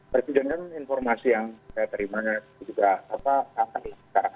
berikutnya kan informasi yang saya terima ya juga apa apa ini sekarang